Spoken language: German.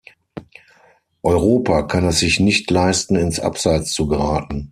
Europa kann es sich nicht leisten, ins Abseits zu geraten.